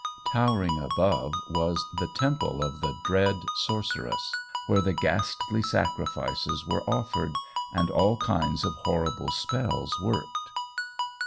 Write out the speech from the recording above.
Towering above was the temple of the dread sorceress, where the ghastly sacrifices were offered and all kinds of horrible spells worked.